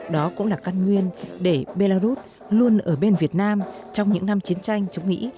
đó cũng là căn nguyên để belarus luôn ở bên việt nam trong những năm chiến tranh chống mỹ